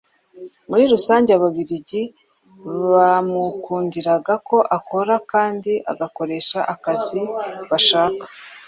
Muri rusange Ababiligi bamukundiraga ko akora kandi agakoresha akazi bashaka.